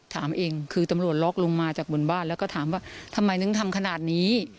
ถามเองคือตำรวจล็อกลงมาจากบนบ้านแล้วก็ถามว่าทำไมถึงทำขนาดนี้